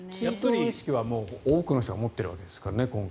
追悼意識は多くの人が持っているわけですからね。